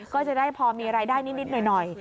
ก็จะได้พอมีรายได้นิดหน่อย